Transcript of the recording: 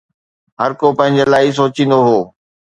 هر ڪو پنهنجي لاءِ ئي سوچيندو هو